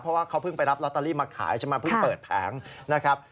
เพราะว่าเขาเพิ่งไปรับลอตเตอรี่มาขายใช่ไหมเพิ่งเปิดแผงนะครับ